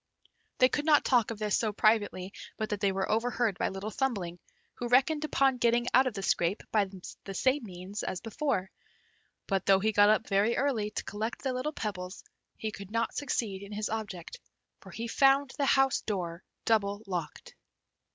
They could not talk of this so privately, but that they were overheard by Little Thumbling, who reckoned upon getting out of the scrape by the same means as before; but though he got up very early to collect the little pebbles, he could not succeed in his object, for he found the house door double locked.